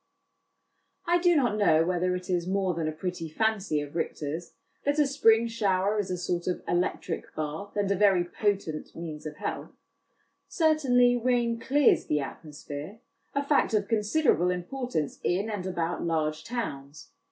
I do not know whether it is more than a pretty fancy of Richter's, that a spring shower is a sort of electric bath, and a very potent means of health ; certainly rain clears the atmosphere a fact of con siderable importance in and about large towns.